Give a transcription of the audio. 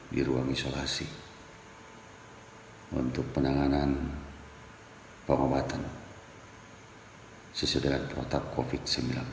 di ruang isolasi untuk penanganan pengobatan sesegera protokol covid sembilan belas